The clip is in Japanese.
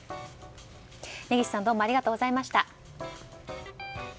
根岸さんありがとうございました。